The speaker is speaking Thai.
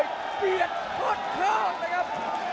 เรียนโคตรคลอมครับ